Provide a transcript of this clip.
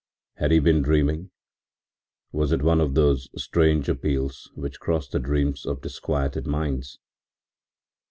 Had he been dreaming? Was it one of those strange appeals which cross the dreams of disquieted minds?